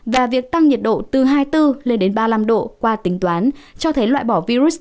và việc tăng nhiệt độ từ hai mươi bốn lên đến ba mươi năm độ qua tính toán cho thấy loại bỏ virus